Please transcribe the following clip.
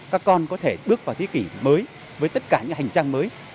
các con có thể bước vào thế kỷ mới với tất cả những hành trang mới